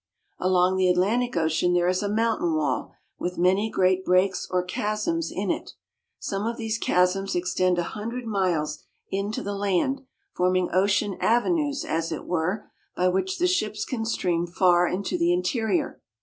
Along the Atlantic Ocean there is a mountain wall, with many great breaks or chasms in it. Some of these chasms extend a hundred miles into the land, forming ocean ave nues, as it were, by which the ships can steam far into the interior.